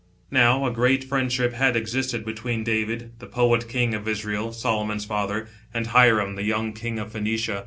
Now, a great friendship had existed between David, the poet king of Israel, Solomon's father, and Hiram, the young king of Phoenicia.